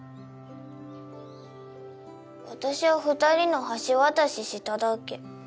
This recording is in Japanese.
私は二人の橋渡ししただけ。